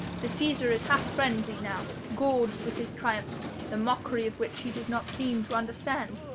The Cæsar is half frenzied now, gorged with his triumph, the mockery of which he does not seem to understand.